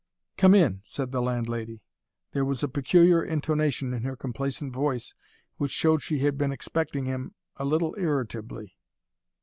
"Come in," said the landlady. There was a peculiar intonation in her complacent voice, which showed she had been expecting him, a little irritably.